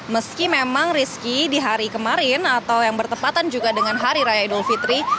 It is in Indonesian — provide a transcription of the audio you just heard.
meski memang rizky di hari kemarin atau yang bertepatan juga dengan hari raya idul fitri